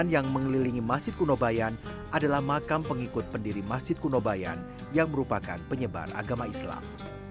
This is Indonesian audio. yang mengelilingi masjid kuno bayan adalah makam pengikut pendiri masjid kunobayan yang merupakan penyebar agama islam